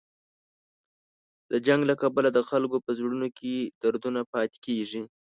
د جنګ له کبله د خلکو په زړونو کې دردونه پاتې کېږي.